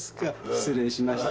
失礼しました。